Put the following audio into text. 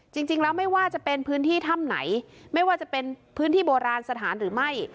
จริงแล้วไม่ว่าจะเป็นพื้นที่ถ้ำไหนไม่ว่าจะเป็นพื้นที่โบราณสถานหรือไม่